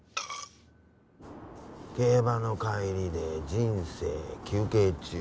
「」競馬の帰りで人生休憩中。